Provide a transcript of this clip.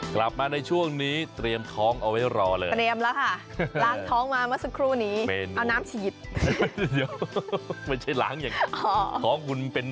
กลับมาในช่วงนี้เตรียมท้องเอาไว้รอเลย